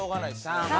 ３。